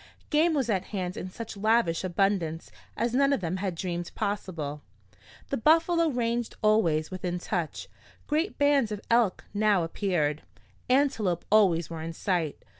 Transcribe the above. Game was at hand in such lavish abundance as none of them had dreamed possible. The buffalo ranged always within touch, great bands of elk now appeared, antelope always were in sight.